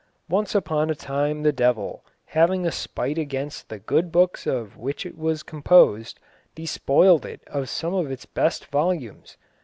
Once upon a time the Devil, having a spite against the good books of which it was composed, despoiled it of some of its best volumes.